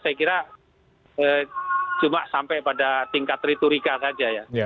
saya kira cuma sampai pada tingkat retorika saja ya